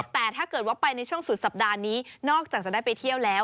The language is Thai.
แต่ถ้าเกิดว่าไปในช่วงสุดสัปดาห์นี้นอกจากจะได้ไปเที่ยวแล้ว